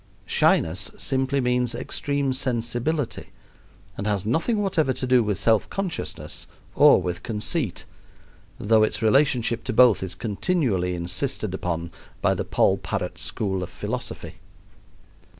Shyness simply means extreme sensibility, and has nothing whatever to do with self consciousness or with conceit, though its relationship to both is continually insisted upon by the poll parrot school of philosophy.